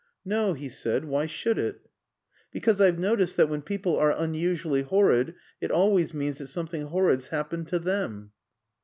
"No," he said, "why should it?" "Because I've noticed that, when people are unusually horrid, it always means that something horrid's happened to them."